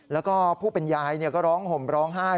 แล้วก็ผู้เป็นยายก็ร้องห่มร้องไห้